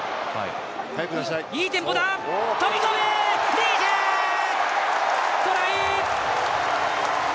リーチ、トライ！